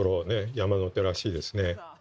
山の手らしいですね。